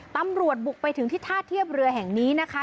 ตำรวจบุกไปถึงที่ท่าเทียบเรือแห่งนี้นะคะ